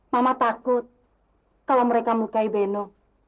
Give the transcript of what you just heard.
mama takut kalau mereka melukai beno